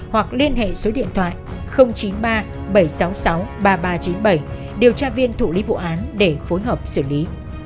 hoặc liên hệ số điện thoại chín mươi ba bảy trăm sáu mươi sáu ba nghìn ba trăm chín mươi bảy điều tra viên thủ lý vụ án để phối hợp xử lý